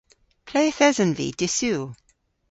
Ple'th esen vy dy'Sul?